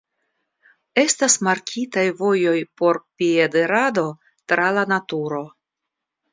Estas markitaj vojoj por piedirado tra la naturo.